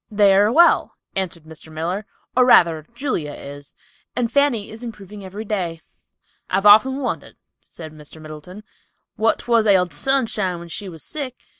"They are well," answered Mr. Miller, "or rather Julia is, and Fanny is improving every day." "I've often wondered," said Mr. Middleton, "what 'twas ailded Sunshine when she was sick.